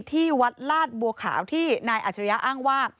ที่วัดลาดบัวขาวที่นายอัจฉริยะอ้างว่า